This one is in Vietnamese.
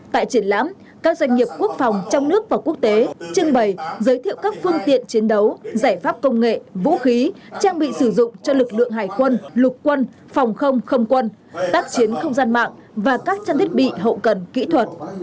tại triển lãm các doanh nghiệp quốc phòng trong nước và quốc tế trưng bày giới thiệu các phương tiện chiến đấu giải pháp công nghệ vũ khí trang bị sử dụng cho lực lượng hải quân lục quân phòng không không quân tác chiến không gian mạng và các trang thiết bị hậu cần kỹ thuật